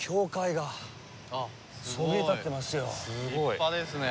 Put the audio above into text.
立派ですね。